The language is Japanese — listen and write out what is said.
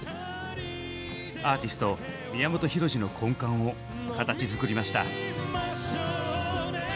アーティスト宮本浩次の根幹を形づくりました。